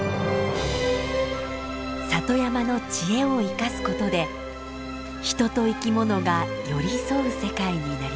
里山の知恵を生かすことで人と生き物が寄り添う世界になりました。